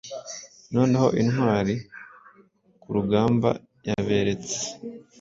Noneho intwarikurugamba yaberetse